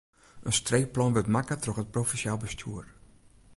In streekplan wurdt makke troch it provinsjaal bestjoer.